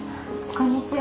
こんにちは。